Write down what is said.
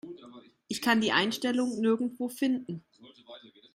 Ich kann die Einstellung nirgendwo finden.